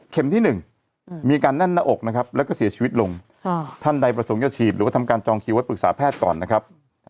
ที่๑มีการแน่นหน้าอกนะครับแล้วก็เสียชีวิตลงท่านใดประสงค์จะฉีดหรือว่าทำการจองคิวไว้ปรึกษาแพทย์ก่อนนะครับ